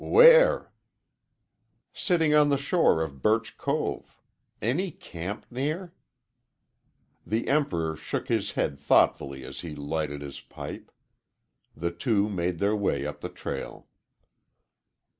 "Where?" "Sitting on the shore of Birch Cove. Any camp near?" The Emperor shook his head thoughtfully as he lighted his pipe. The two made their way up the trail.